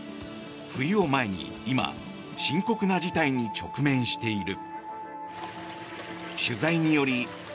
冬を前に今、深刻な事態に直面している。